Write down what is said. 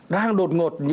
đang đột ngột